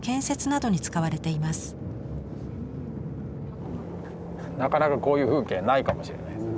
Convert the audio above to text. なかなかこういう風景ないかもしれないです。